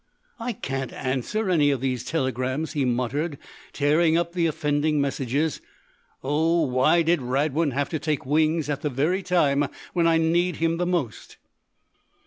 "I can't answer any of these telegrams," he muttered, tearing up the offending messages. "Oh, why did Radwin have to take wings at the very time when I need him most!